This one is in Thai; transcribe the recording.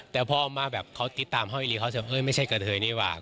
แต่พอมาแบบเขาติดตามห้องอีรีเขาจะเฮ้ยไม่ใช่กระเทยนี่ว่ะ